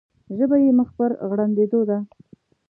ژبه یې مخ پر غړندېدو ده.